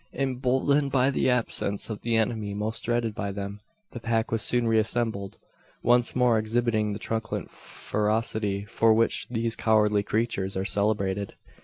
Emboldened by the absence of the enemy most dreaded by them, the pack was soon reassembled, once more exhibiting the truculent ferocity for which these cowardly creatures are celebrated.